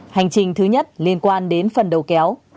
hành trình thứ nhất liên quan đến phần đầu kéo